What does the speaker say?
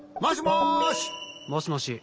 もしもし？